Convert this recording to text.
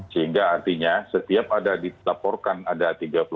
sehingga artinya setiap ada dilaporkan ada tiga puluh